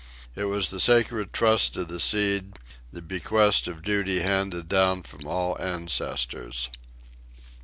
It was the sacred trust of the seed, the bequest of duty handed down from all ancestors.